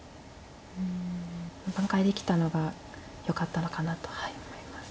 挽回できたのがよかったのかなと思います。